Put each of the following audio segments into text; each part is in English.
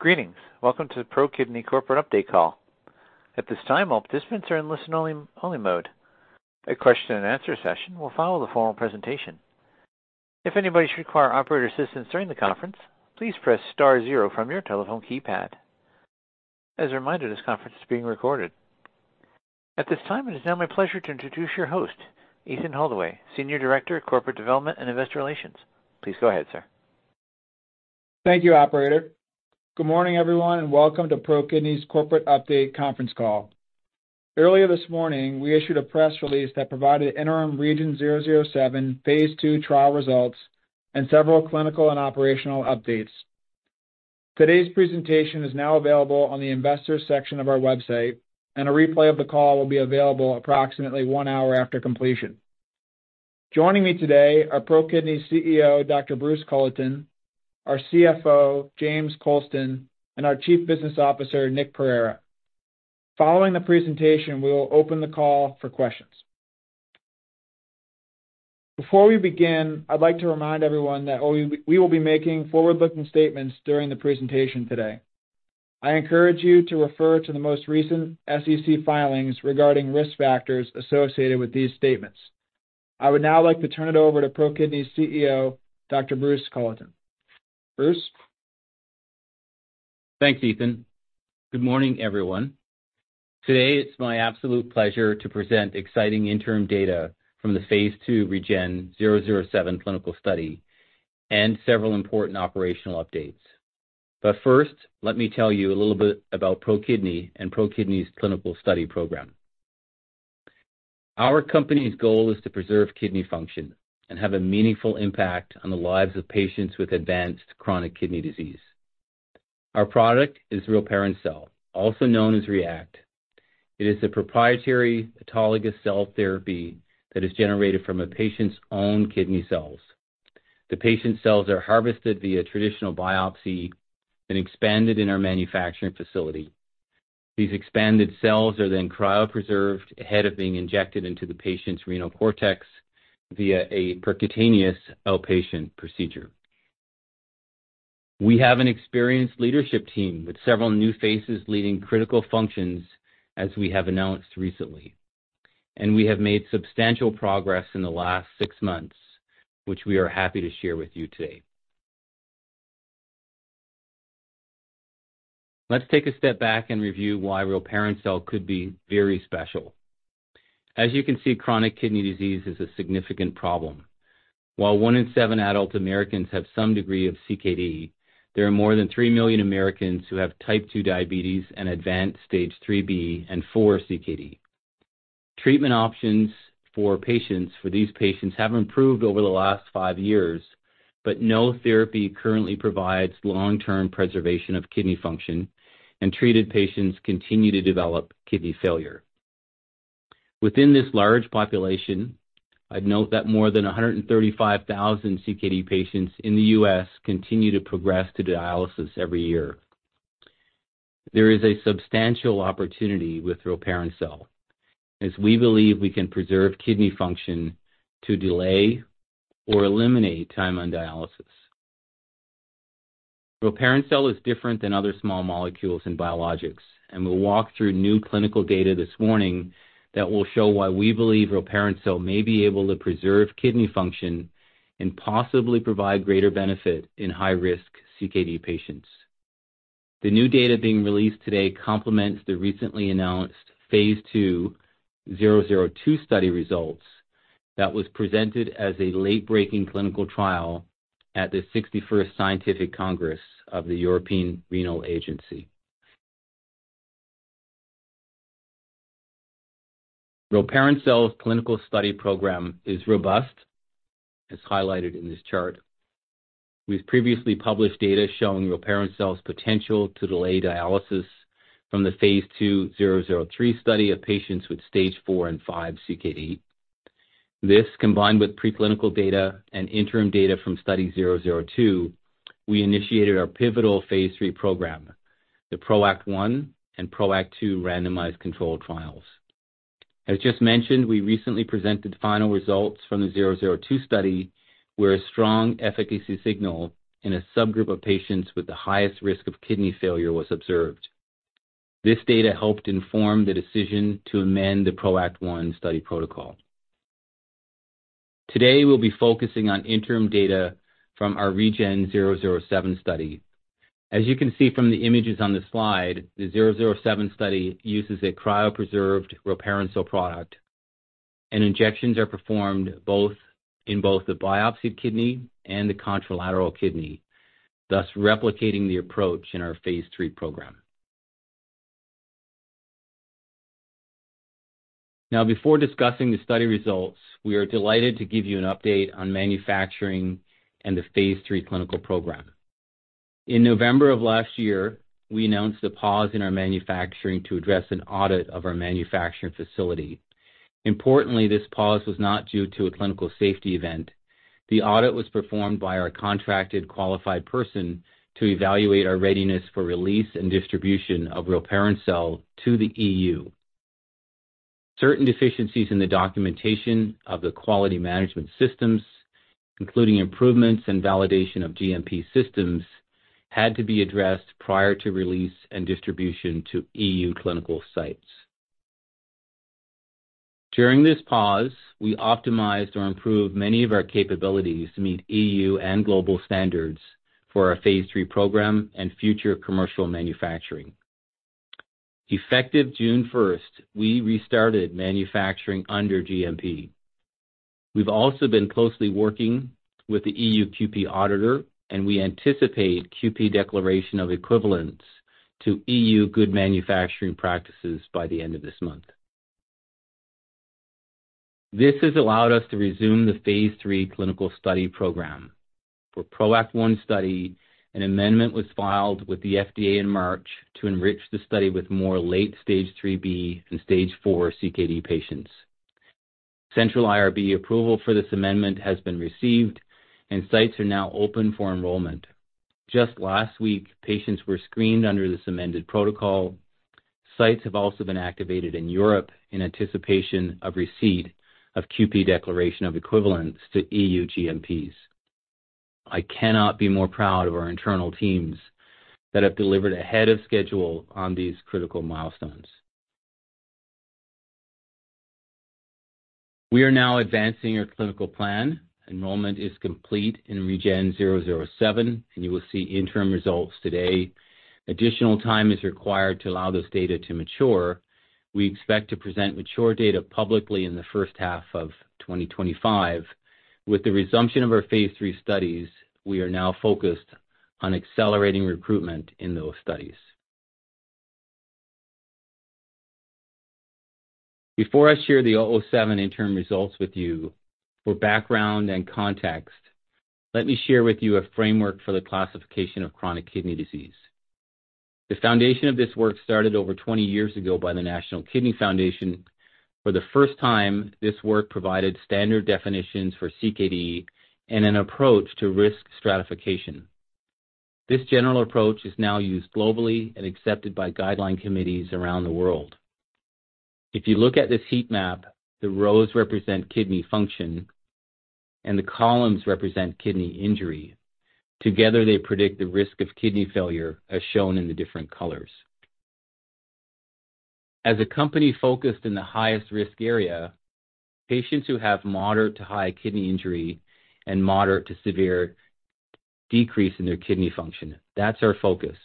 Greetings. Welcome to the ProKidney Corporate Update Call. At this time, all participants are in listen-only mode. A Q&A session will follow the formal presentation. If anybody should require operator assistance during the conference, please press star zero from your telephone keypad. As a reminder, this conference is being recorded. At this time, it is now my pleasure to introduce your host, Ethan Holdaway, Senior Director of Corporate Development and Investor Relations. Please go ahead, sir. Thank you, Operator. Good morning, everyone, and welcome to ProKidney's Corporate Update Conference Call. Earlier this morning, we issued a press release that provided interim REGEN-007 phase II trial results and several clinical and operational updates. Today's presentation is now available on the Investor section of our website, and a replay of the call will be available approximately one hour after completion. Joining me today are ProKidney's CEO, Dr. Bruce Culleton, our CFO, James Coulston, and our Chief Business Officer, Nikhil Pereira-Kamath. Following the presentation, we will open the call for questions. Before we begin, I'd like to remind everyone that we will be making forward-looking statements during the presentation today. I encourage you to refer to the most recent SEC filings regarding risk factors associated with these statements. I would now like to turn it over to ProKidney's CEO, Dr. Bruce Culleton. Bruce? Thanks, Ethan. Good morning, everyone. Today, it's my absolute pleasure to present exciting interim data from the phase II REGEN-007 clinical study and several important operational updates. But first, let me tell you a little bit about ProKidney and ProKidney's clinical study program. Our company's goal is to preserve kidney function and have a meaningful impact on the lives of patients with advanced chronic kidney disease. Our product is Rilparencel, also known as REACT. It is a proprietary autologous cell therapy that is generated from a patient's own kidney cells. The patient's cells are harvested via traditional biopsy and expanded in our manufacturing facility. These expanded cells are then cryopreserved ahead of being injected into the patient's renal cortex via a percutaneous outpatient procedure. We have an experienced leadership team with several new faces leading critical functions, as we have announced recently, and we have made substantial progress in the last six months, which we are happy to share with you today. Let's take a step back and review why Rilparencel could be very special. As you can see, chronic kidney disease is a significant problem. While one in seven adult Americans have some degree of CKD, there are more than three million Americans who have type 2 diabetes and advanced stage 3B and 4 CKD. Treatment options for these patients have improved over the last 5 years, but no therapy currently provides long-term preservation of kidney function, and treated patients continue to develop kidney failure. Within this large population, I'd note that more than 135,000 CKD patients in the U.S. continue to progress to dialysis every year. There is a substantial opportunity with REACT®, as we believe we can preserve kidney function to delay or eliminate time on dialysis. REACT® is different than other small molecules in biologics, and we'll walk through new clinical data this morning that will show why we believe REACT® may be able to preserve kidney function and possibly provide greater benefit in high-risk CKD patients. The new data being released today complements the recently announced phase II 002 study results that was presented as a late-breaking clinical trial at the 61st Scientific Congress of the European Renal Association. REACT®'s clinical study program is robust, as highlighted in this chart. We've previously published data showing REACT®'s potential to delay dialysis from the phase II 003 study of patients with stage 4 and 5 CKD. This, combined with preclinical data and interim data from Study 002, we initiated our pivotal phase III program, the PROACT 1 and PROACT 2 randomized controlled trials. As just mentioned, we recently presented final results from the 002 study, where a strong efficacy signal in a subgroup of patients with the highest risk of kidney failure was observed. This data helped inform the decision to amend the PROACT 1 study protocol. Today, we'll be focusing on interim data from our REGEN-007 study. As you can see from the images on the slide, the 007 study uses a cryopreserved REACT cell product, and injections are performed in both the biopsied kidney and the contralateral kidney, thus replicating the approach in our phase III program. Now, before discussing the study results, we are delighted to give you an update on manufacturing and the phase III clinical program. In November of last year, we announced a pause in our manufacturing to address an audit of our manufacturing facility. Importantly, this pause was not due to a clinical safety event. The audit was performed by our contracted qualified person to evaluate our readiness for release and distribution of Rilparencel to the E.U. Certain deficiencies in the documentation of the quality management systems, including improvements and validation of GMP systems, had to be addressed prior to release and distribution to E.U. clinical sites. During this pause, we optimized or improved many of our capabilities to meet E.U. and global standards for our phase III program and future commercial manufacturing. Effective June 1st, we restarted manufacturing under GMP. We've also been closely working with the E.U. QP auditor, and we anticipate QP declaration of equivalence to E.U. good manufacturing practices by the end of this month. This has allowed us to resume the phase III clinical study program. For PROACT 1 study, an amendment was filed with the FDA in March to enrich the study with more late stage 3B and stage 4 CKD patients. Central IRB approval for this amendment has been received, and sites are now open for enrollment. Just last week, patients were screened under this amended protocol. Sites have also been activated in Europe in anticipation of receipt of QP declaration of equivalence to E.U. GMPs. I cannot be more proud of our internal teams that have delivered ahead of schedule on these critical milestones. We are now advancing our clinical plan. Enrollment is complete in REGEN-007, and you will see interim results today. Additional time is required to allow this data to mature. We expect to present mature data publicly in the first half of 2025. With the resumption of our phase III studies, we are now focused on accelerating recruitment in those studies. Before I share the 007 interim results with you, for background and context, let me share with you a framework for the classification of chronic kidney disease. The foundation of this work started over 20 years ago by the National Kidney Foundation. For the first time, this work provided standard definitions for CKD and an approach to risk stratification. This general approach is now used globally and accepted by guideline committees around the world. If you look at this heat map, the rows represent kidney function, and the columns represent kidney injury. Together, they predict the risk of kidney failure, as shown in the different colors. As a company focused in the highest risk area, patients who have moderate to high kidney injury and moderate to severe decrease in their kidney function, that's our focus.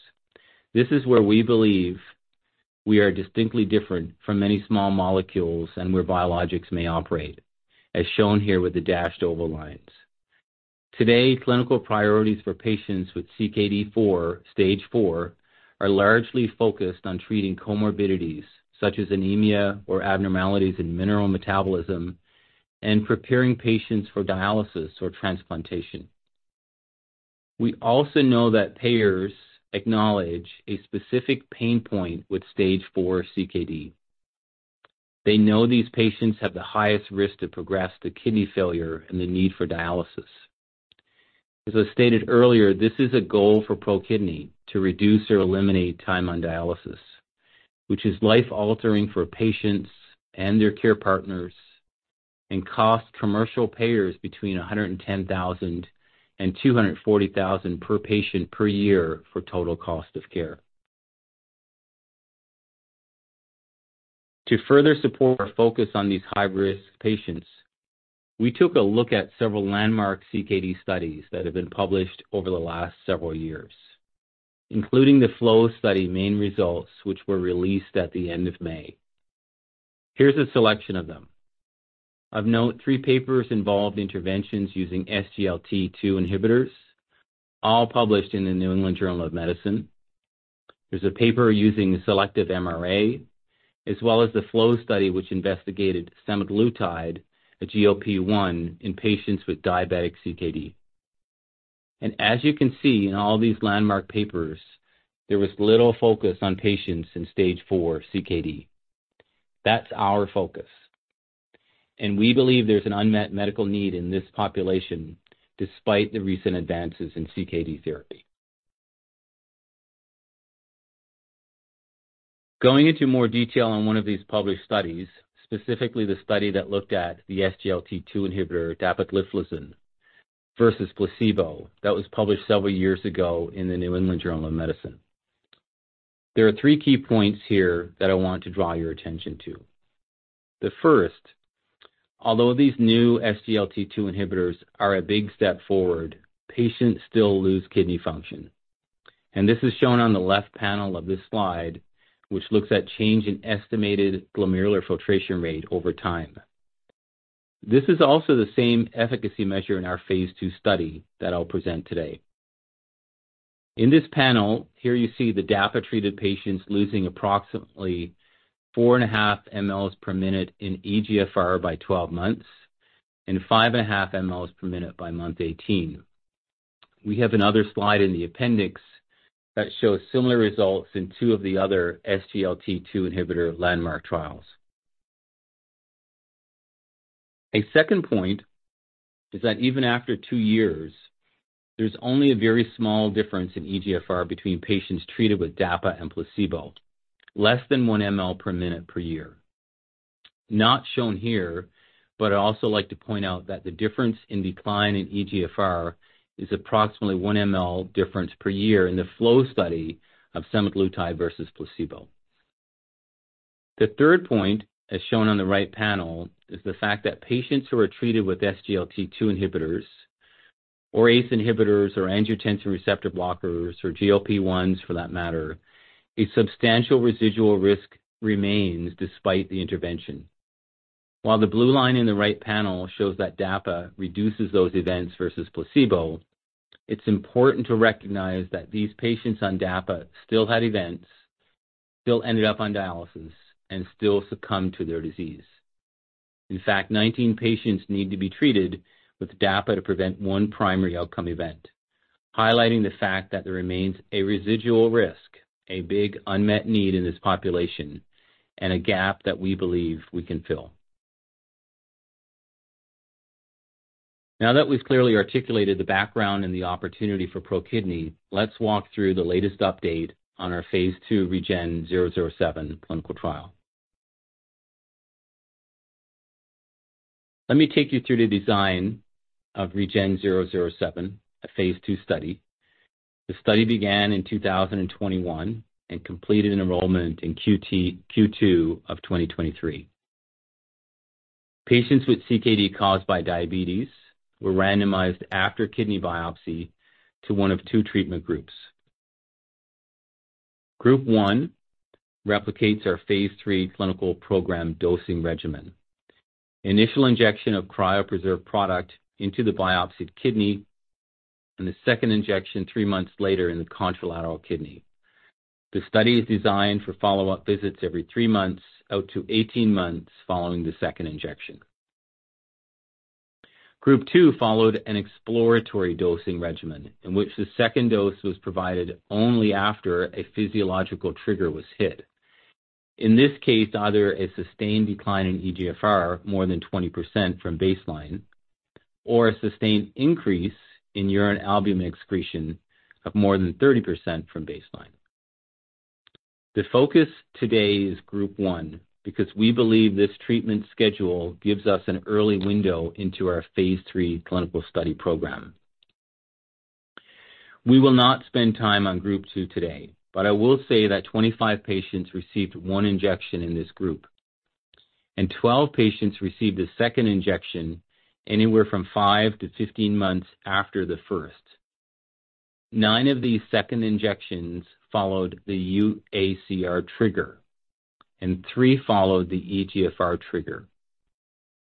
This is where we believe we are distinctly different from many small molecules and where biologics may operate, as shown here with the dashed oval lines. Today, clinical priorities for patients with CKD stage 4 are largely focused on treating comorbidities such as anemia or abnormalities in mineral metabolism and preparing patients for dialysis or transplantation. We also know that payers acknowledge a specific pain point with stage 4 CKD. They know these patients have the highest risk to progress to kidney failure and the need for dialysis. As I stated earlier, this is a goal for ProKidney to reduce or eliminate time on dialysis, which is life-altering for patients and their care partners and costs commercial payers between $110,000 to $240,000 per patient per year for total cost of care. To further support our focus on these high-risk patients, we took a look at several landmark CKD studies that have been published over the last several years, including the FLOW study main results, which were released at the end of May. Here's a selection of them. Of note, three papers involved interventions using SGLT2 inhibitors, all published in the New England Journal of Medicine. There's a paper using selective MRA, as well as the FLOW study, which investigated semaglutide, a GLP-1, in patients with diabetic CKD. As you can see in all these landmark papers, there was little focus on patients in stage 4 CKD. That's our focus. We believe there's an unmet medical need in this population despite the recent advances in CKD therapy. Going into more detail on one of these published studies, specifically the study that looked at the SGLT2 inhibitor dapagliflozin versus placebo that was published several years ago in the New England Journal of Medicine. There are three key points here that I want to draw your attention to. The first, although these new SGLT2 inhibitors are a big step forward, patients still lose kidney function. This is shown on the left panel of this slide, which looks at change in estimated glomerular filtration rate over time. This is also the same efficacy measure in our phase II study that I'll present today. In this panel, here you see the DAPA-treated patients losing approximately 4.5 mL per minute in eGFR by 12 months and 5.5 mL per minute by month 18. We have another slide in the appendix that shows similar results in two of the other SGLT2 inhibitor landmark trials. A second point is that even after two years, there's only a very small difference in eGFR between patients treated with DAPA and placebo, less than one mL per minute per year. Not shown here, but I'd also like to point out that the difference in decline in eGFR is approximately one mL difference per year in the FLOW study of semaglutide versus placebo. The third point, as shown on the right panel, is the fact that patients who are treated with SGLT2 inhibitors or ACE inhibitors or angiotensin receptor blockers or GLP-1s for that matter, a substantial residual risk remains despite the intervention. While the blue line in the right panel shows that DAPA reduces those events versus placebo, it's important to recognize that these patients on DAPA still had events, still ended up on dialysis, and still succumbed to their disease. In fact, 19 patients need to be treated with DAPA to prevent one primary outcome event, highlighting the fact that there remains a residual risk, a big unmet need in this population, and a gap that we believe we can fill. Now that we've clearly articulated the background and the opportunity for ProKidney, let's walk through the latest update on our phase II REGEN-007 clinical trial. Let me take you through the design of REGEN-007, a phase II study. The study began in 2021 and completed enrollment in Q2 of 2023. Patients with CKD caused by diabetes were randomized after kidney biopsy to one of two treatment groups. Group one replicates our phase III clinical program dosing regimen. Initial injection of cryopreserved product into the biopsied kidney and the second injection three months later in the contralateral kidney. The study is designed for follow-up visits every three months out to 18 months following the second injection. Group two followed an exploratory dosing regimen in which the second dose was provided only after a physiological trigger was hit. In this case, either a sustained decline in eGFR more than 20% from baseline or a sustained increase in urine albumin excretion of more than 30% from baseline. The focus today is Group one because we believe this treatment schedule gives us an early window into our phase III clinical study program. We will not spend time on Group two today, but I will say that 25 patients received one injection in this group, and 12 patients received the second injection anywhere from 5 to 15 months after the first. Nine of these second injections followed the UACR trigger, and three followed the eGFR trigger.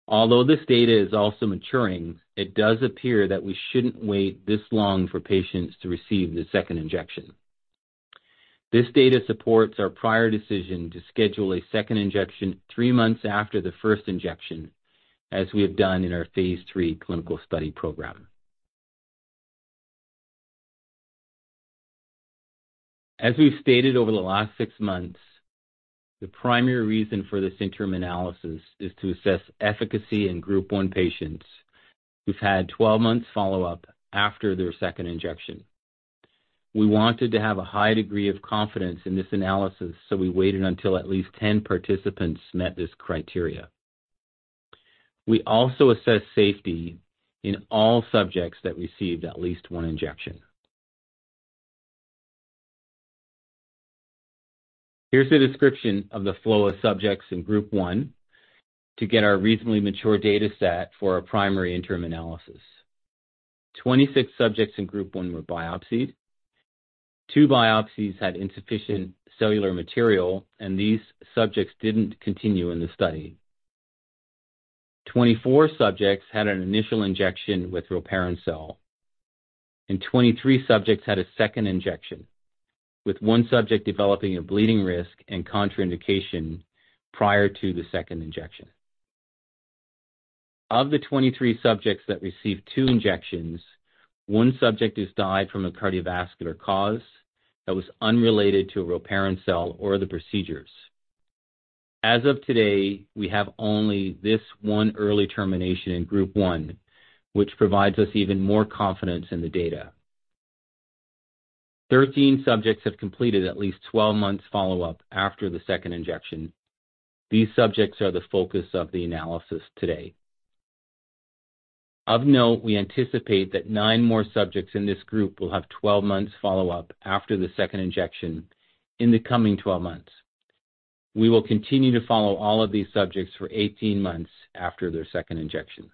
Although this data is also maturing, it does appear that we shouldn't wait this long for patients to receive the second injection. This data supports our prior decision to schedule a second injection three months after the first injection, as we have done in our phase III clinical study program. As we've stated over the last six months, the primary reason for this interim analysis is to assess efficacy in Group one patients who've had 12 months follow-up after their second injection. We wanted to have a high degree of confidence in this analysis, so we waited until at least 10 participants met this criterion. We also assess safety in all subjects that received at least one injection. Here's a description of the flow of subjects in Group one to get our reasonably mature data set for our primary interim analysis. 26 subjects in Group one were biopsied. Two biopsies had insufficient cellular material, and these subjects didn't continue in the study. 24 subjects had an initial injection with Rilparencel, and 23 subjects had a second injection, with one subject developing a bleeding risk and contraindication prior to the second injection. Of the 23 subjects that received two injections, one subject has died from a cardiovascular cause that was unrelated to Rilparencel or the procedures. As of today, we have only this one early termination in Group one, which provides us even more confidence in the data. 13 subjects have completed at least 12 months follow-up after the second injection. These subjects are the focus of the analysis today. Of note, we anticipate that nine more subjects in this group will have 12 months follow-up after the second injection in the coming 12 months. We will continue to follow all of these subjects for 18 months after their second injection.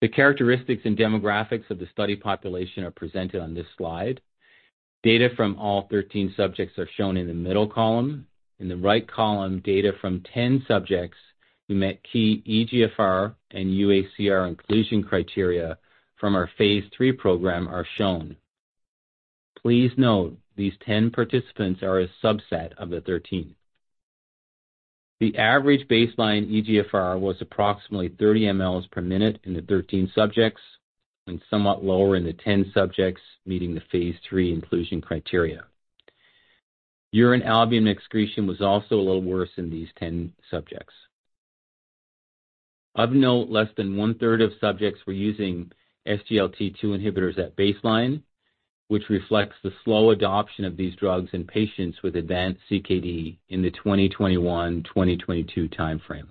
The characteristics and demographics of the study population are presented on this slide. Data from all 13 subjects are shown in the middle column. In the right column, data from 10 subjects who met key eGFR and UACR inclusion criteria from our phase III program are shown. Please note, these 10 participants are a subset of the 13. The average baseline eGFR was approximately 30 mL per minute in the 13 subjects and somewhat lower in the 10 subjects meeting the phase III inclusion criteria. Urine albumin excretion was also a little worse in these 10 subjects. Of note, less than one-third of subjects were using SGLT2 inhibitors at baseline, which reflects the slow adoption of these drugs in patients with advanced CKD in the 2021-2022 timeframe.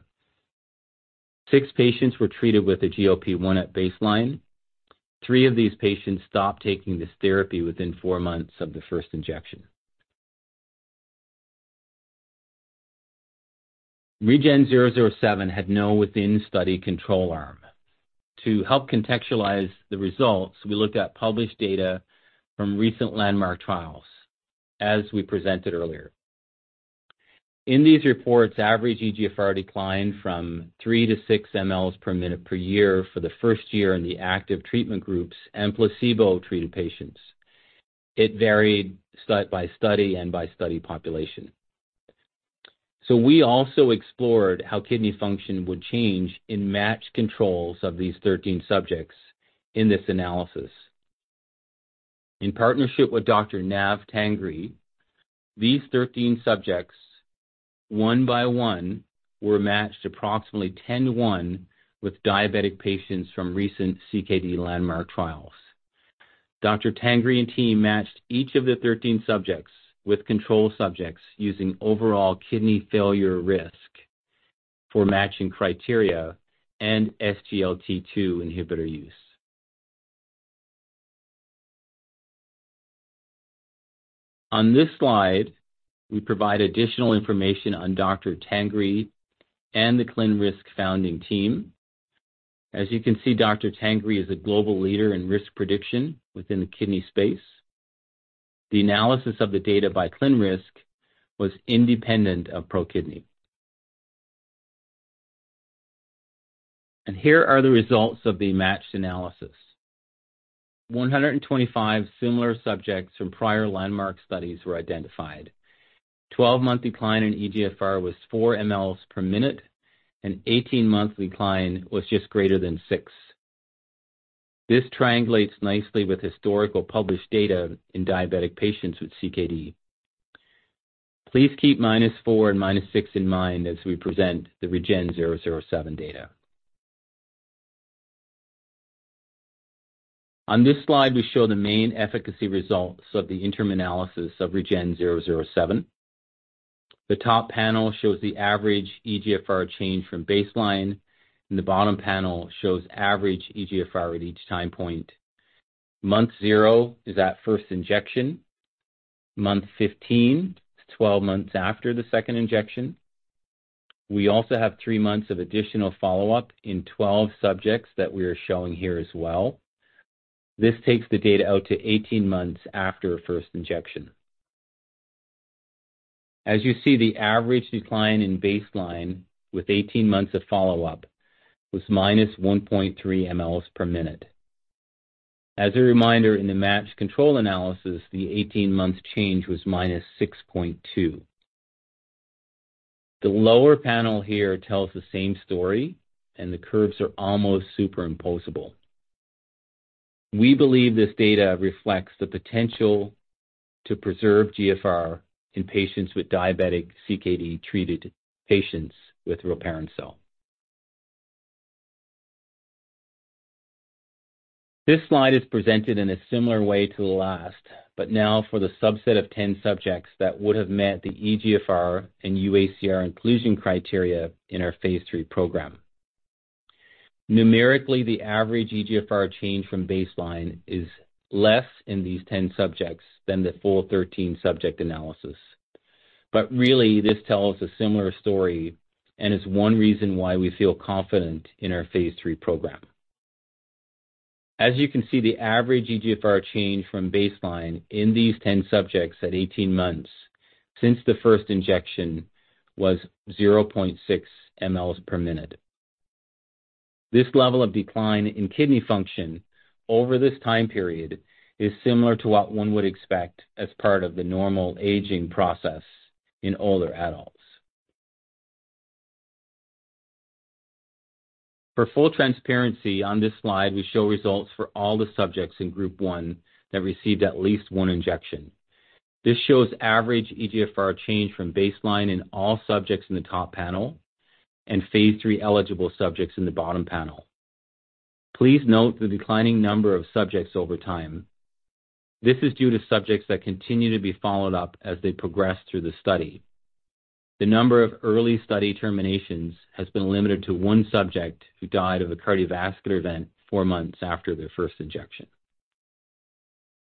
Six patients were treated with a GLP-1 at baseline. three of these patients stopped taking this therapy within four months of the first injection. REGEN-007 had no within-study control arm. To help contextualize the results, we looked at published data from recent landmark trials, as we presented earlier. In these reports, average eGFR declined from 3 mL to 6 mL per minute per year for the first year in the active treatment groups and placebo-treated patients. It varied study by study and by study population. So we also explored how kidney function would change in matched controls of these 13 subjects in this analysis. In partnership with Dr. Navdeep Tangri, these 13 subjects, one by one, were matched approximately 10:1 with diabetic patients from recent CKD landmark trials. Dr. Tangri and team matched each of the 13 subjects with control subjects using overall kidney failure risk for matching criteria and SGLT2 inhibitor use. On this slide, we provide additional information on Dr. Tangri and the ClinRisk founding team. As you can see, Dr. Tangri is a global leader in risk prediction within the kidney space. The analysis of the data by ClinRisk was independent of ProKidney. Here are the results of the matched analysis. 125 similar subjects from prior landmark studies were identified. 12-month decline in eGFR was 4 mL per minute, and 18-month decline was just greater than six. This triangulates nicely with historical published data in diabetic patients with CKD. Please keep -4 and -6 in mind as we present the REGEN-007 data. On this slide, we show the main efficacy results of the interim analysis of REGEN-007. The top panel shows the average eGFR change from baseline, and the bottom panel shows average eGFR at each time point. Month 0 is at first injection. Month 15 is 12 months after the second injection. We also have 3 months of additional follow-up in 12 subjects that we are showing here as well. This takes the data out to 18 months after first injection. As you see, the average decline in baseline with 18 months of follow-up was -1.3 mL per minute. As a reminder, in the matched control analysis, the 18-month change was -6.2. The lower panel here tells the same story, and the curves are almost superimposable. We believe this data reflects the potential to preserve GFR in patients with diabetic CKD-treated patients with Rilparencel. This slide is presented in a similar way to the last, but now for the subset of 10 subjects that would have met the eGFR and UACR inclusion criteria in our phase III program. Numerically, the average eGFR change from baseline is less in these 10 subjects than the full 13-subject analysis. But really, this tells a similar story and is one reason why we feel confident in our phase III program. As you can see, the average eGFR change from baseline in these 10 subjects at 18 months since the first injection was 0.6 mL per minute. This level of decline in kidney function over this time period is similar to what one would expect as part of the normal aging process in older adults. For full transparency on this slide, we show results for all the subjects in Group one that received at least one injection. This shows average eGFR change from baseline in all subjects in the top panel and phase III eligible subjects in the bottom panel. Please note the declining number of subjects over time. This is due to subjects that continue to be followed up as they progress through the study. The number of early study terminations has been limited to one subject who died of a cardiovascular event four months after their first injection.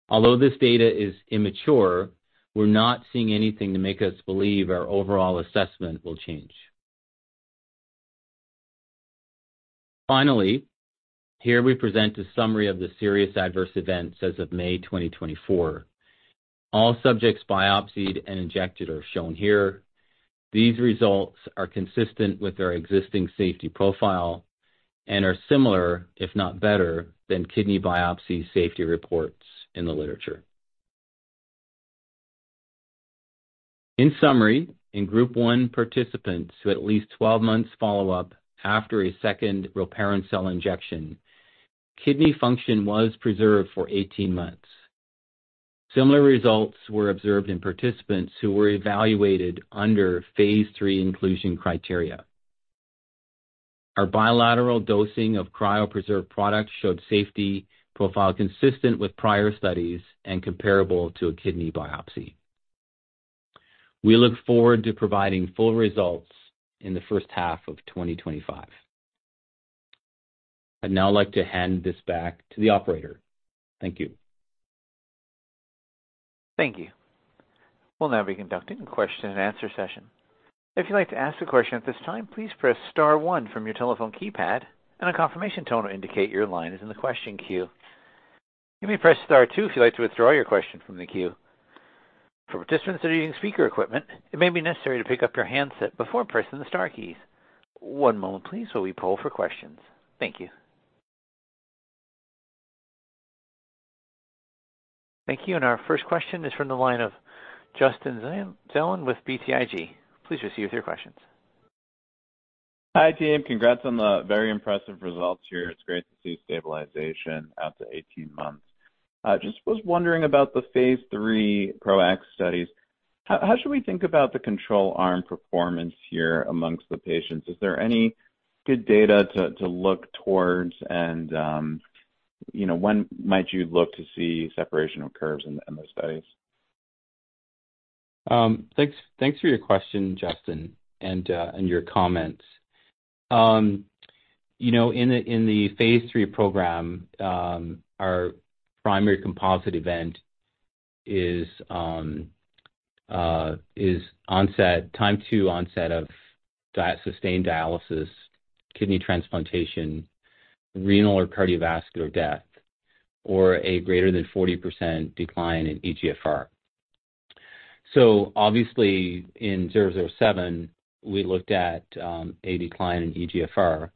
Although this data is immature, we're not seeing anything to make us believe our overall assessment will change. Finally, here we present a summary of the serious adverse events as of May 2024. All subjects biopsied and injected are shown here. These results are consistent with their existing safety profile and are similar, if not better, than kidney biopsy safety reports in the literature. In summary, in Group one participants who had at least 12 months follow-up after a second Rilparencel injection, kidney function was preserved for 18 months. Similar results were observed in participants who were evaluated under phase III inclusion criteria. Our bilateral dosing of cryopreserved product showed safety profile consistent with prior studies and comparable to a kidney biopsy. We look forward to providing full results in the first half of 2025. I'd now like to hand this back to the operator. Thank you. Thank you. We'll now be conducting a Q&A session. If you'd like to ask a question at this time, please press Star 1 from your telephone keypad, and a confirmation tone will indicate your line is in the question queue. You may press Star 2 if you'd like to withdraw your question from the queue. For participants that are using speaker equipment, it may be necessary to pick up your handset before pressing the Star keys. One moment, please, while we poll for questions. Thank you. Thank you. Our first question is from the line of Justin Zelin with BTIG. Please proceed with your questions. Hi, team. Congrats on the very impressive results here. It's great to see stabilization after 18 months. Just was wondering about the phase III PROACT studies. How should we think about the control arm performance here among the patients? Is there any good data to look towards, and when might you look to see separation of curves in those studies? Thanks for your question, Justin, and your comments. In the phase III program, our primary composite event is time to onset of sustained dialysis, kidney transplantation, renal or cardiovascular death, or a greater than 40% decline in eGFR. So obviously, in 007, we looked at a decline in eGFR,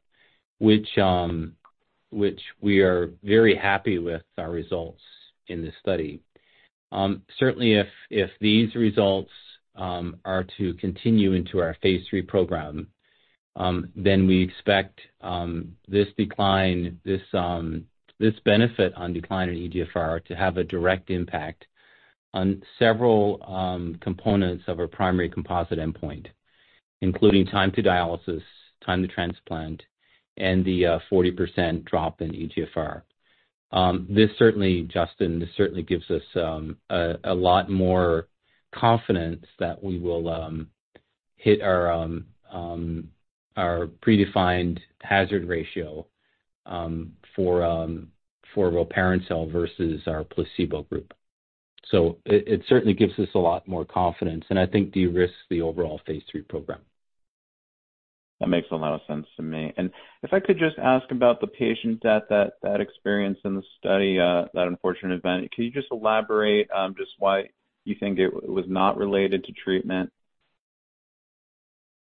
which we are very happy with our results in this study. Certainly, if these results are to continue into our phase III program, then we expect this benefit on decline in eGFR to have a direct impact on several components of our primary composite endpoint, including time to dialysis, time to transplant, and the 40% drop in eGFR. Justin, this certainly gives us a lot more confidence that we will hit our predefined hazard ratio for Rilparencel versus our placebo group. So it certainly gives us a lot more confidence, and I think de-risks the overall phase III program. That makes a lot of sense to me. And if I could just ask about the patient that experienced in the study that unfortunate event, could you just elaborate just why you think it was not related to treatment?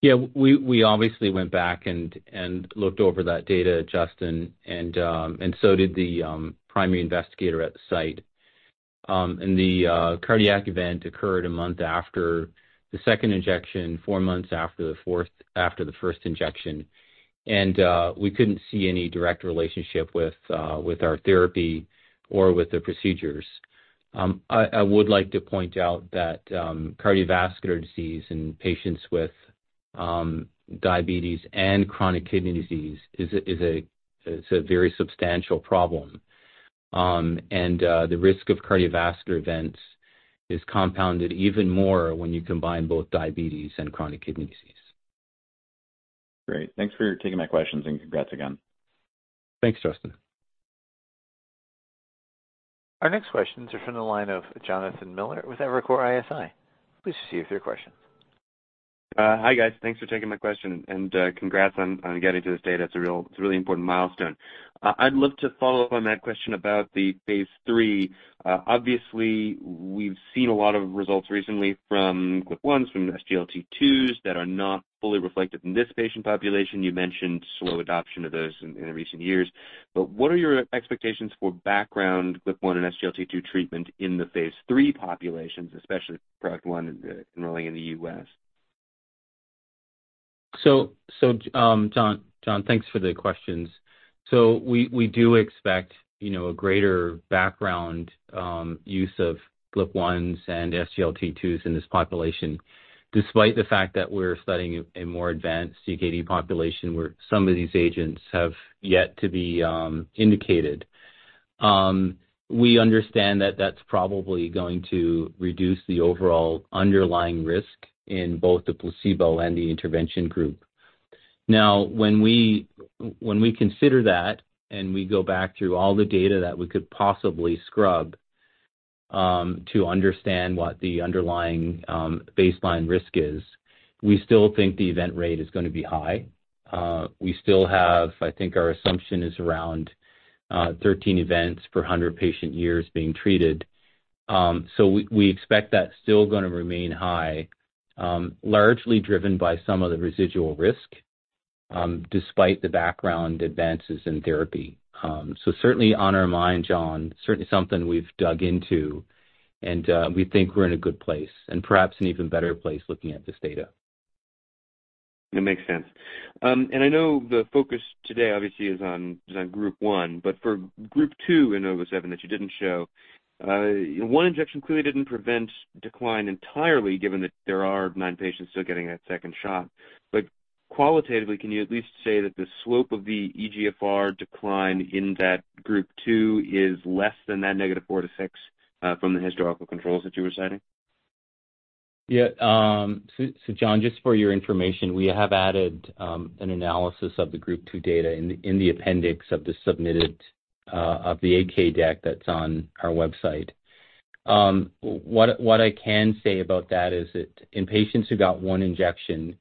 Yeah. We obviously went back and looked over that data, Justin, and so did the primary investigator at the site. And the cardiac event occurred a month after the second injection, four months after the first injection, and we couldn't see any direct relationship with our therapy or with the procedures. I would like to point out that cardiovascular disease in patients with diabetes and chronic kidney disease is a very substantial problem, and the risk of cardiovascular events is compounded even more when you combine both diabetes and chronic kidney disease. Great. Thanks for taking my questions and congrats again. Thanks, Justin. Our next questions are from the line of Jonathan Miller with Evercore ISI. Please proceed with your questions. Hi, guys. Thanks for taking my question, and congrats on getting to this date. It's a really important milestone. I'd love to follow up on that question about the phase III. Obviously, we've seen a lot of results recently from GLP-1s, from SGLT2s that are not fully reflective in this patient population. You mentioned slow adoption of those in recent years. But what are your expectations for background GLP-1 and SGLT2 treatment in the phase III populations, especially ProAct 1 enrolling in the U.S.? So John, thanks for the questions. So we do expect a greater background use of GLP-1s and SGLT2s in this population, despite the fact that we're studying a more advanced CKD population where some of these agents have yet to be indicated. We understand that that's probably going to reduce the overall underlying risk in both the placebo and the intervention group. Now, when we consider that and we go back through all the data that we could possibly scrub to understand what the underlying baseline risk is, we still think the event rate is going to be high. We still have, I think our assumption is around 13 events per 100 patient years being treated. So we expect that's still going to remain high, largely driven by some of the residual risk despite the background advances in therapy. Certainly on our mind, John, certainly something we've dug into, and we think we're in a good place and perhaps an even better place looking at this data. That makes sense. And I know the focus today, obviously, is on Group one, but for Group two in 007 that you didn't show, one injection clearly didn't prevent decline entirely, given that there are nine patients still getting a second shot. But qualitatively, can you at least say that the slope of the eGFR decline in that Group two is less than that negative four to six from the historical controls that you were citing? Yeah. So John, just for your information, we have added an analysis of the Group two data in the appendix of the submitted 8-K deck that's on our website. What I can say about that is that in patients who got one injection,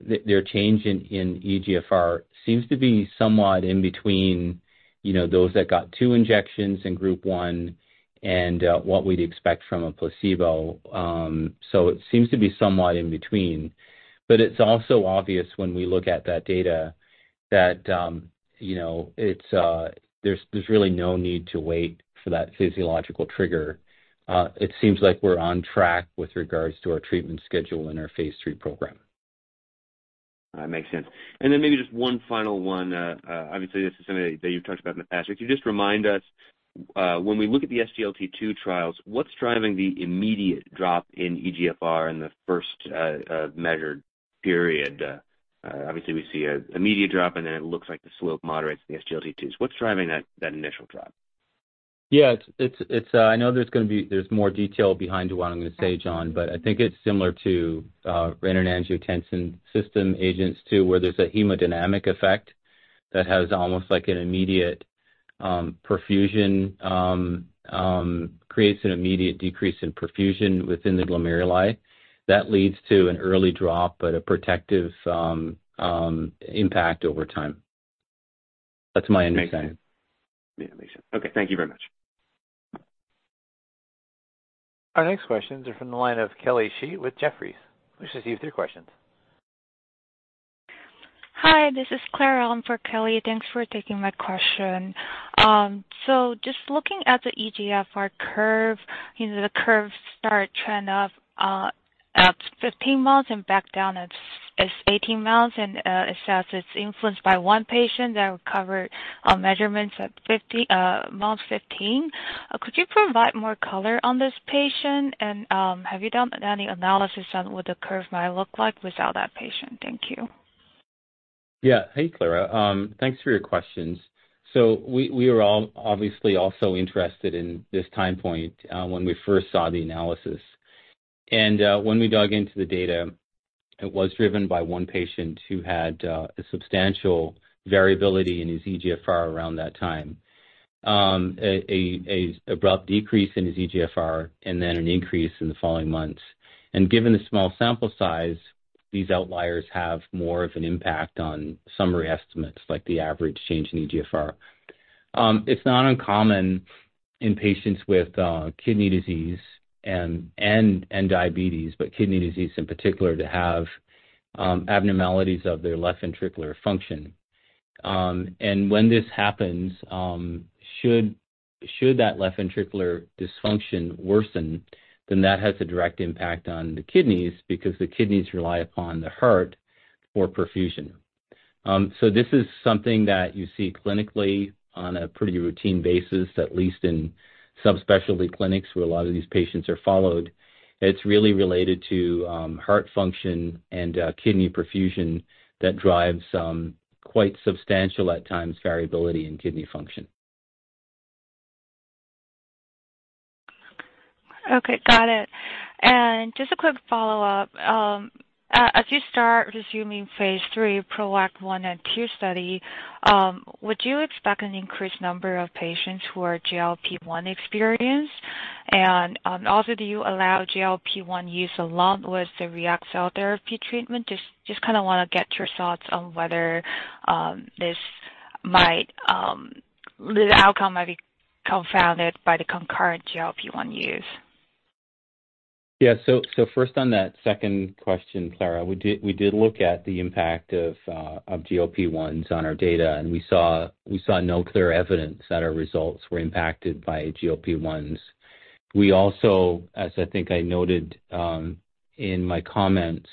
their change in eGFR seems to be somewhat in between those that got two injections in Group one and what we'd expect from a placebo. So it seems to be somewhat in between. But it's also obvious when we look at that data that there's really no need to wait for that physiological trigger. It seems like we're on track with regards to our treatment schedule in our phase III program. That makes sense. Then maybe just one final one. Obviously, this is something that you've talked about in the past. Could you just remind us, when we look at the SGLT2 trials, what's driving the immediate drop in eGFR in the first measured period? Obviously, we see an immediate drop, and then it looks like the slope moderates in the SGLT2s. What's driving that initial drop? Yeah. I know there's more detail behind what I'm going to say, John, but I think it's similar to renin-angiotensin system agents too, where there's a hemodynamic effect that has almost like an immediate perfusion, creates an immediate decrease in perfusion within the glomeruli. That leads to an early drop, but a protective impact over time. That's my understanding. Yeah. Makes sense. Okay. Thank you very much. Our next questions are from the line of Kelly Shi with Jefferies. Please proceed with your questions. Hi. This is Claire on for Kelly. Thanks for taking my question. So just looking at the eGFR curve, the curve starts trending up at 15 months and back down at 18 months, and it says it's influenced by one patient that recovered measurements at months 15. Could you provide more color on this patient, and have you done any analysis on what the curve might look like without that patient? Thank you. Yeah. Hey, Claire. Thanks for your questions. So we were obviously also interested in this time point when we first saw the analysis. And when we dug into the data, it was driven by one patient who had a substantial variability in his eGFR around that time, an abrupt decrease in his eGFR, and then an increase in the following months. And given the small sample size, these outliers have more of an impact on summary estimates, like the average change in eGFR. It's not uncommon in patients with kidney disease and diabetes, but kidney disease in particular, to have abnormalities of their left ventricular function. And when this happens, should that left ventricular dysfunction worsen, then that has a direct impact on the kidneys because the kidneys rely upon the heart for perfusion. This is something that you see clinically on a pretty routine basis, at least in subspecialty clinics where a lot of these patients are followed. It's really related to heart function and kidney perfusion that drives quite substantial, at times, variability in kidney function. Okay. Got it. Just a quick follow-up. As you start resuming phase III, ProAct 1 and 2 study, would you expect an increased number of patients who are GLP-1 experienced? And also, do you allow GLP-1 use along with the REACT cell therapy treatment? Just kind of want to get your thoughts on whether the outcome might be confounded by the concurrent GLP-1 use? Yeah. So first, on that second question, Claire, we did look at the impact of GLP-1s on our data, and we saw no clear evidence that our results were impacted by GLP-1s. We also, as I think I noted in my comments,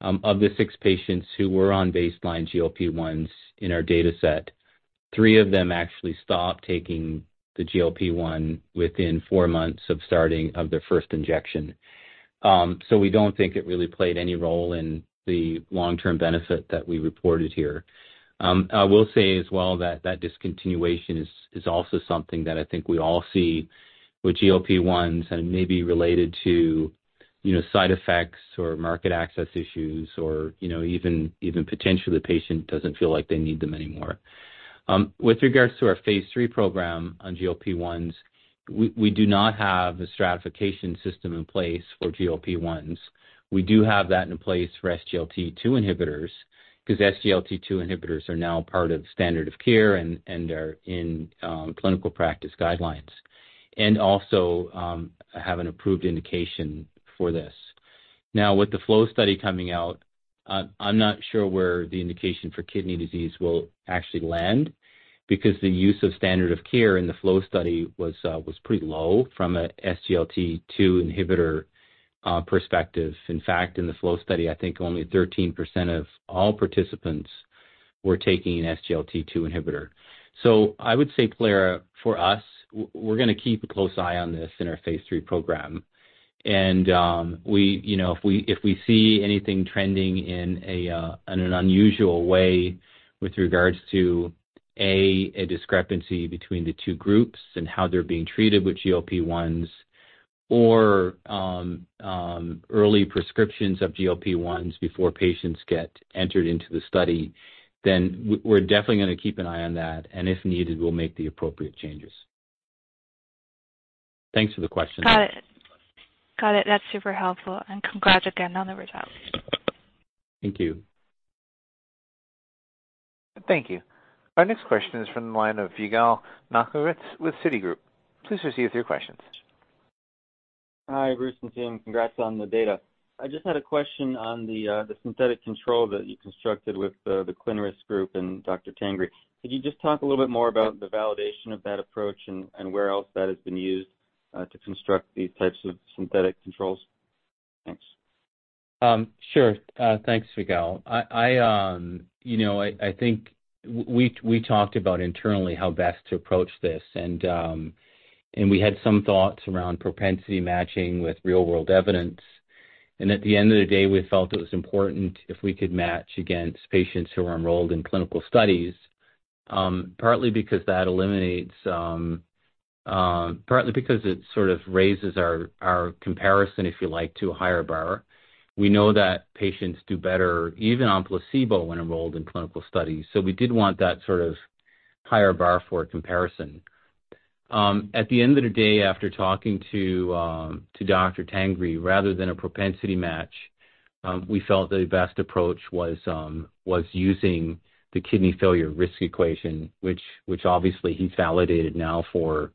of the six patients who were on baseline GLP-1s in our data set, three of them actually stopped taking the GLP-1 within four months of starting their first injection. So we don't think it really played any role in the long-term benefit that we reported here. I will say as well that that discontinuation is also something that I think we all see with GLP-1s and may be related to side effects or market access issues or even potentially the patient doesn't feel like they need them anymore. With regards to our phase III program on GLP-1s, we do not have a stratification system in place for GLP-1s. We do have that in place for SGLT2 inhibitors because SGLT2 inhibitors are now part of standard of care and are in clinical practice guidelines and also have an approved indication for this. Now, with the FLOW study coming out, I'm not sure where the indication for kidney disease will actually land because the use of standard of care in the FLOW study was pretty low from an SGLT2 inhibitor perspective. In fact, in the FLOW study, I think only 13% of all participants were taking an SGLT2 inhibitor. So I would say, Claire, for us, we're going to keep a close eye on this in our phase III program. If we see anything trending in an unusual way with regards to, A, a discrepancy between the two groups and how they're being treated with GLP-1s or early prescriptions of GLP-1s before patients get entered into the study, then we're definitely going to keep an eye on that, and if needed, we'll make the appropriate changes. Thanks for the question. Got it. Got it. That's super helpful. Congrats again on the results. Thank you. Thank you. Our next question is from the line of Yigal Nochomovitz with Citigroup. Please proceed with your questions. Hi, Bruce and Tim. Congrats on the data. I just had a question on the synthetic control that you constructed with the ClinRisk group and Dr. Tangri. Could you just talk a little bit more about the validation of that approach and where else that has been used to construct these types of synthetic controls? Thanks. Sure. Thanks, Yigal. I think we talked about internally how best to approach this, and we had some thoughts around propensity matching with real-world evidence. And at the end of the day, we felt it was important if we could match against patients who are enrolled in clinical studies, partly because it sort of raises our comparison, if you like, to a higher bar. We know that patients do better even on placebo when enrolled in clinical studies. So we did want that sort of higher bar for comparison. At the end of the day, after talking to Dr. Tangri, rather than a propensity match, we felt the best approach was using the kidney failure risk equation, which obviously he's validated now for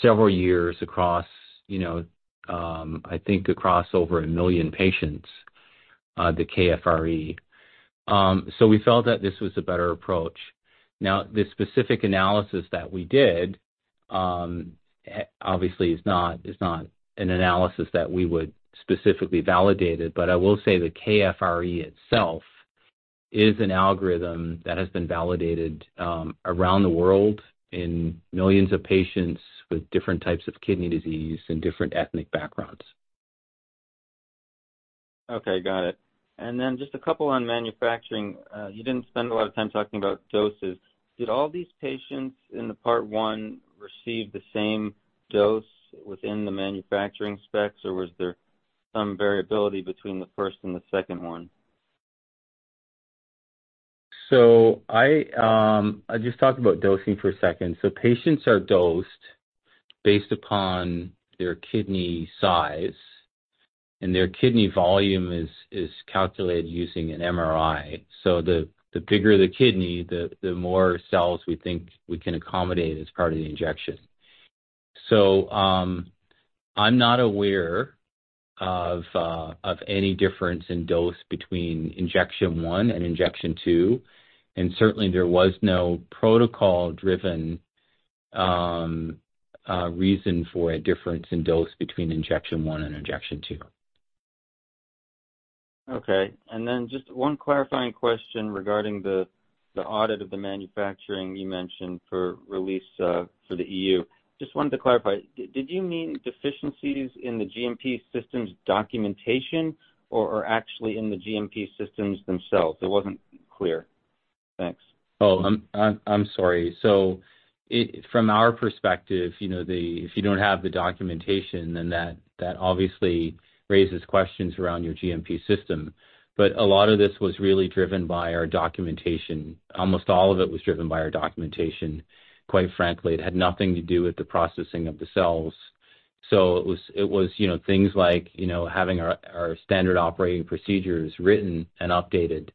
several years across, I think, across over a million patients, the KFRE. So we felt that this was a better approach. Now, the specific analysis that we did, obviously, is not an analysis that we would specifically validate it, but I will say the KFRE itself is an algorithm that has been validated around the world in millions of patients with different types of kidney disease and different ethnic backgrounds. Okay. Got it. And then just a couple on manufacturing. You didn't spend a lot of time talking about doses. Did all these patients in the Part one receive the same dose within the manufacturing specs, or was there some variability between the first and the second one? I just talked about dosing for a second. Patients are dosed based upon their kidney size, and their kidney volume is calculated using an MRI. The bigger the kidney, the more cells we think we can accommodate as part of the injection. I'm not aware of any difference in dose between injection one and injection two. Certainly, there was no protocol-driven reason for a difference in dose between injection one and injection two. Okay. And then just one clarifying question regarding the audit of the manufacturing you mentioned for release for the E.U. Just wanted to clarify. Did you mean deficiencies in the GMP system's documentation or actually in the GMP systems themselves? It wasn't clear. Thanks. Oh, I'm sorry. So from our perspective, if you don't have the documentation, then that obviously raises questions around your GMP system. But a lot of this was really driven by our documentation. Almost all of it was driven by our documentation, quite frankly. It had nothing to do with the processing of the cells. So it was things like having our standard operating procedures written and updated.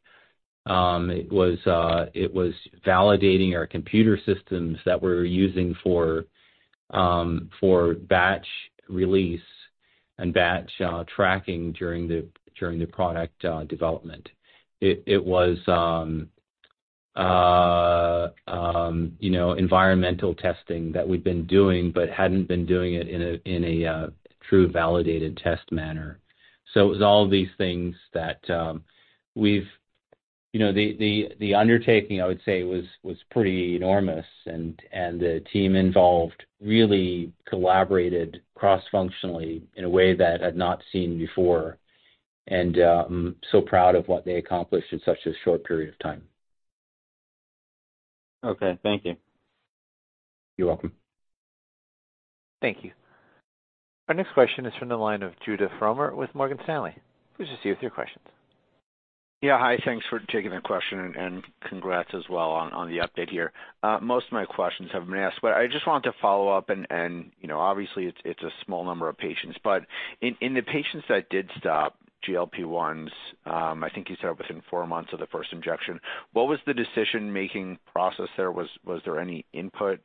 It was validating our computer systems that we're using for batch release and batch tracking during the product development. It was environmental testing that we'd been doing but hadn't been doing it in a true validated test manner. So it was all of these things that we've the undertaking, I would say, was pretty enormous, and the team involved really collaborated cross-functionally in a way that I had not seen before. I'm so proud of what they accomplished in such a short period of time. Okay. Thank you. You're welcome. Thank you. Our next question is from the line of Judith Romer with Morgan Stanley. Please proceed with your questions. Yeah. Hi. Thanks for taking the question, and congrats as well on the update here. Most of my questions have been asked, but I just wanted to follow up. Obviously, it's a small number of patients. In the patients that did stop GLP-1s, I think you said within four months of the first injection, what was the decision-making process there? Was there any input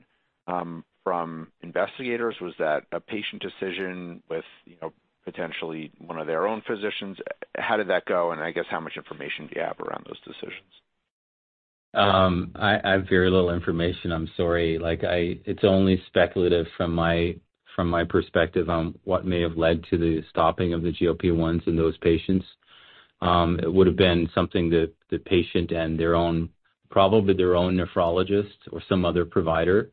from investigators? Was that a patient decision with potentially one of their own physicians? How did that go? I guess, how much information do you have around those decisions? I have very little information. I'm sorry. It's only speculative from my perspective on what may have led to the stopping of the GLP-1s in those patients. It would have been something that the patient and probably their own nephrologist or some other provider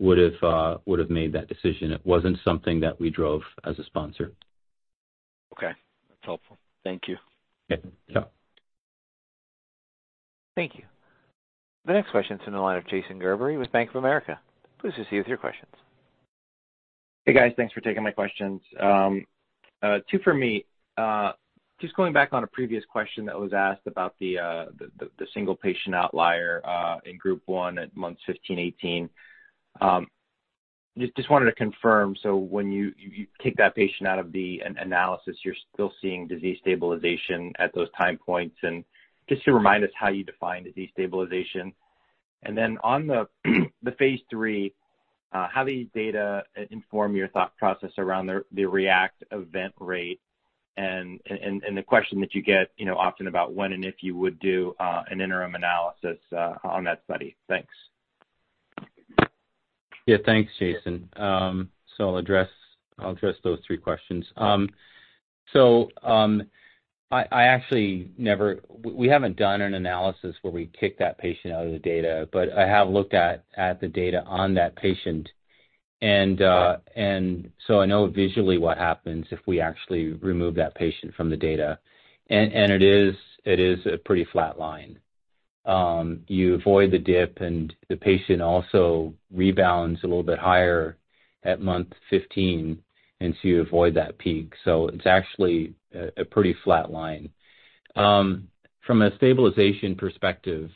would have made that decision. It wasn't something that we drove as a sponsor. Okay. That's helpful. Thank you. Yeah. Yeah. Thank you. The next question is from the line of Jason Gerberry with Bank of America. Please proceed with your questions. Hey, guys. Thanks for taking my questions. 2 for me. Just going back on a previous question that was asked about the single patient outlier in group one at months 15, 18. Just wanted to confirm. So when you take that patient out of the analysis, you're still seeing disease stabilization at those time points. And just to remind us how you define disease stabilization. And then on the phase III, how does data inform your thought process around the REACT event rate? And the question that you get often about when and if you would do an interim analysis on that study. Thanks. Yeah. Thanks, Jason. So I'll address those three questions. So I actually we haven't done an analysis where we kick that patient out of the data, but I have looked at the data on that patient. And so I know visually what happens if we actually remove that patient from the data. And it is a pretty flat line. You avoid the dip, and the patient also rebounds a little bit higher at month 15, and so you avoid that peak. So it's actually a pretty flat line. From a stabilization perspective,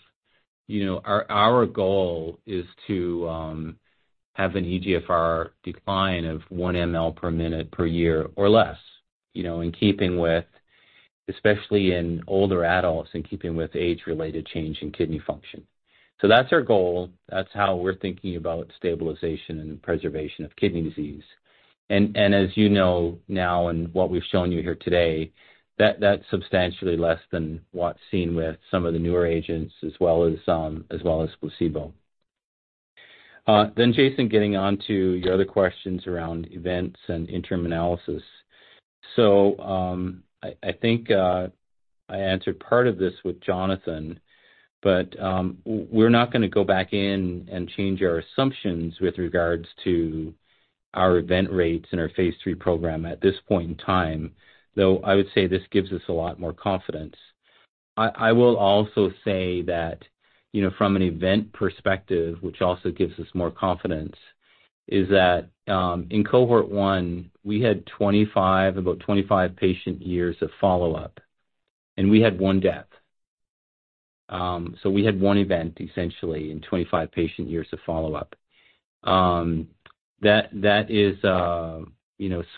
our goal is to have an eGFR decline of 1 mL per minute per year or less in keeping with, especially in older adults, in keeping with age-related change in kidney function. So that's our goal. That's how we're thinking about stabilization and preservation of kidney disease. As you know now and what we've shown you here today, that's substantially less than what's seen with some of the newer agents as well as placebo. Jason, getting on to your other questions around events and interim analysis. I think I answered part of this with Jonathan, but we're not going to go back in and change our assumptions with regards to our event rates in our phase III program at this point in time, though I would say this gives us a lot more confidence. I will also say that from an event perspective, which also gives us more confidence, is that in cohort one, we had about 25 patient years of follow-up, and we had one death. We had one event, essentially, in 25 patient years of follow-up. That is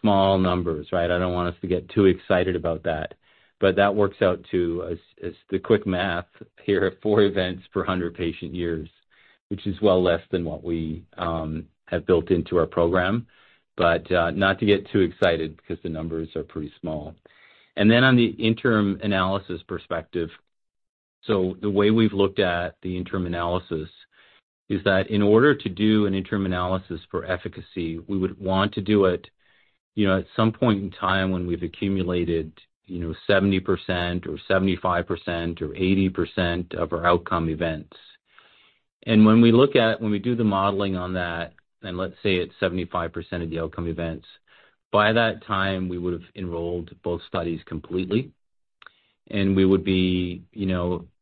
small numbers, right? I don't want us to get too excited about that. But that works out to, as the quick math here, 4 events per 100 patient years, which is well less than what we have built into our program. But not to get too excited because the numbers are pretty small. Then on the interim analysis perspective, so the way we've looked at the interim analysis is that in order to do an interim analysis for efficacy, we would want to do it at some point in time when we've accumulated 70% or 75% or 80% of our outcome events. And when we look at when we do the modeling on that, and let's say it's 75% of the outcome events, by that time, we would have enrolled both studies completely. And we would be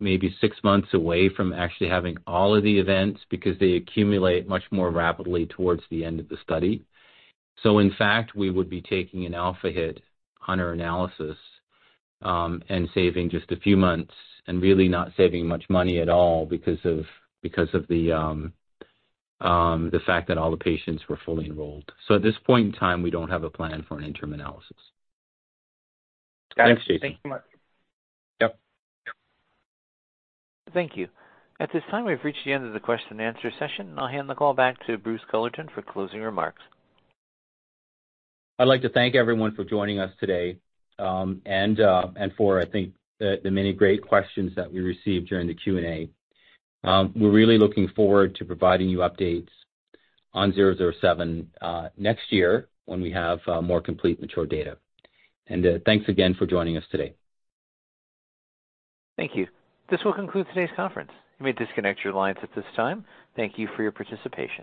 maybe 6 months away from actually having all of the events because they accumulate much more rapidly towards the end of the study. In fact, we would be taking an alpha hit on our analysis and saving just a few months and really not saving much money at all because of the fact that all the patients were fully enrolled. At this point in time, we don't have a plan for an interim analysis. Thanks, Jason. Thanks so much. Yep. Thank you. At this time, we've reached the end of the question-and-answer session. I'll hand the call back to Bruce Culleton for closing remarks. I'd like to thank everyone for joining us today and for, I think, the many great questions that we received during the Q&A. We're really looking forward to providing you updates on 007 next year when we have more complete mature data. Thanks again for joining us today. Thank you. This will conclude today's conference. You may disconnect your lines at this time. Thank you for your participation.